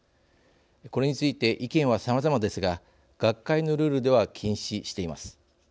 これについて意見はさまざまですが学会のルールでは禁止しています。